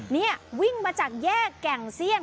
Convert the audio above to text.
นี่วิ่งมาจากแยกแก่งเซียน